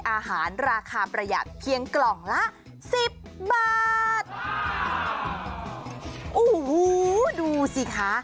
อาหารราคาประหยัดเพียงกล่องละสิบบาทโอ้โหดูสิคะ